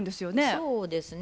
そうですね。